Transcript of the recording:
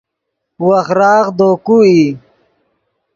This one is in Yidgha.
وخراغ دے کو ای